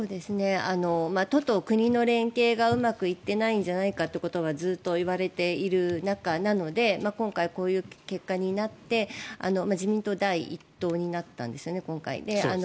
都と国の連携がうまくいっていないんじゃないかということはずっと言われている中なので今回、こういう結果になって自民党が第１党になったんですよね、今回。